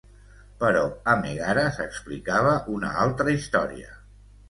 Però a Mègara s'explicava una altra història.